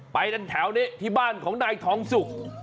ไปทางแถวนี้บ้านของนายทองศุกร์